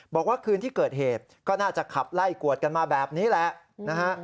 บอกว่าคืนที่เกิดเหตุก็น่าจะขับไล่กวดกันมาแบบนี้แหละนะฮะ